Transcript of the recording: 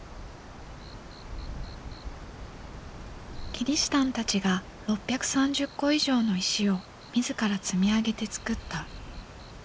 キリシタンたちが６３０個以上の石を自ら積み上げて造った。